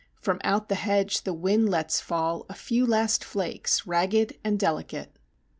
From out the hedge the wind lets fall A few last flakes, ragged and delicate.